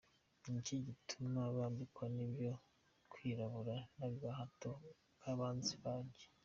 Ni iki gituma nambikwa ibyo kwirabura n’agahato k’abanzi banjye?